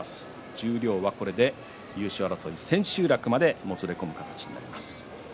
十両はこれで優勝争いは千秋楽までもつれ込む形となりました。